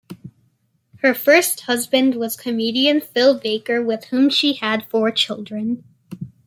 Her first husband was comedian Phil Baker with whom she had four children.